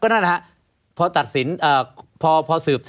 ไม่มีครับไม่มีครับ